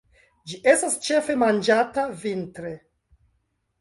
Ĝi estas ĉefe manĝata vintre.